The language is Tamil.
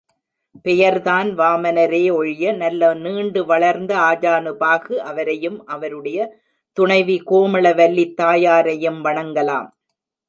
பெயர் தான் வாமனரே ஒழிய நல்ல நீண்டு வளர்ந்த ஆஜானுபாகு அவரையும் அவருடைய துணைவி கோமளவல்லித் தாயாரையும் வணங்கலாம்.